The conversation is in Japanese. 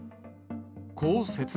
こう説明。